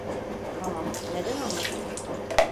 Tamam, neden olmasın?